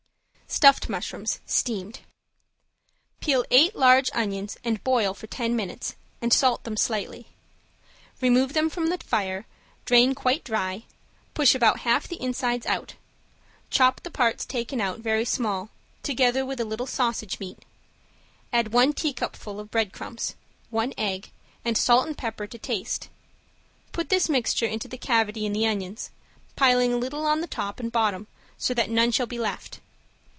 ~STUFFED ONIONS, STEAMED~ Peel eight large onions and boil for ten minutes, and salt them slightly. Remove them from the fire, drain quite dry, push about half the insides out; chop the parts taken out very small, together with a little sausage meat; add one teacupful of breadcrumbs, one egg, and salt and pepper to taste. Put this mixture into the cavity in the onions, piling a little on the top and bottom so that none shall be left.